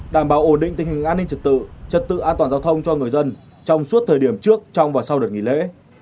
đảm bảo ổn định tình hình an ninh trật tự trật tự an toàn giao thông cho người dân trong suốt thời điểm trước trong và sau đợt nghỉ lễ